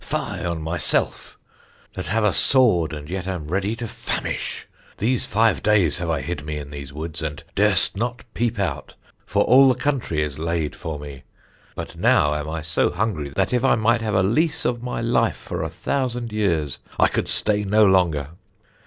fie on myself; that have a sword, and yet am ready to famish! These five days have I hid me in these woods, and durst not peep out, for all the country is laid for me; but now am I so hungry, that if I might have a lease of my life for a thousand years, I could stay no longer.